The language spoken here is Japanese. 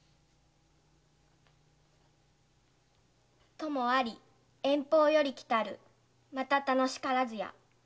「朋あり遠方より来たるまた楽しからずや」